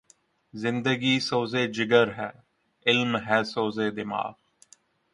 زندگی سوز جگر ہے ،علم ہے سوز دماغ